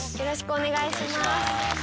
お願いします。